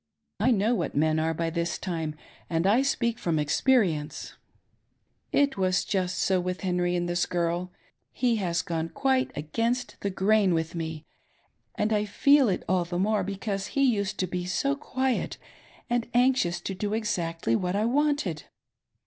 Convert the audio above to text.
I know what men are by this time, and I speak from experience. " It was just so with Hehry and this girl. He has goflt RATHER :mORE THAN SHE COULD mS.NAGE. 589' qmite against the grain with me, and I feel it all the more be cause he used to be so quiet and anjdous to do exacUy what I wanted.